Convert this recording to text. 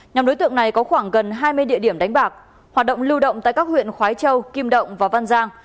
nhóm đối tượng này có khoảng gần hai mươi địa điểm đánh bạc hoạt động lưu động tại các huyện khói châu kim động và văn giang